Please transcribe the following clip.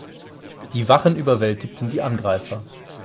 Die Wachen überwältigten die Angreifer.